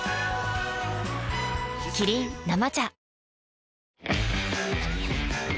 キリン「生茶」